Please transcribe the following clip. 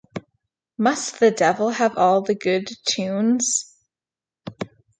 Must the Devil Have All the Good Tunes?